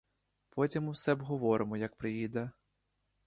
Потім усе обговоримо, як приїде.